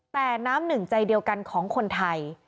แต่น้ำหนึ่งใจเดียวกันของคนไทย